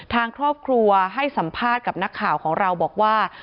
ทางครอบครัวให้สัมภาษณ์กับนักข่าวของเราบอกว่า